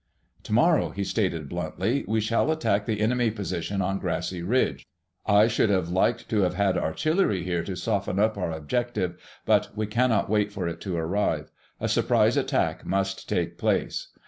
"Tomorrow," he stated bluntly, "we shall attack the enemy position on Grassy Ridge. I should like to have had artillery here to soften up our objective, but we cannot wait for it to arrive. A surprise attack must take its place.